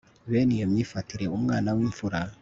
bene iyo myifatire Umwana wimfura